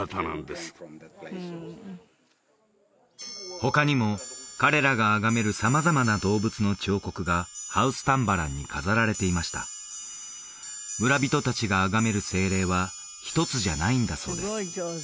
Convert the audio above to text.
他にも彼らが崇める様々な動物の彫刻がハウスタンバランに飾られていました村人達が崇める精霊は１つじゃないんだそうです